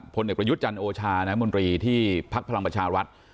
พนธประยุทธ์จันทนโอชานะมรีที่พักพลังประชารัฐ